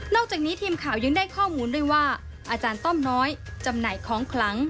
อกจากนี้ทีมข่าวยังได้ข้อมูลด้วยว่าอาจารย์ต้อมน้อยจำหน่ายของคลัง